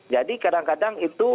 jadi kadang kadang itu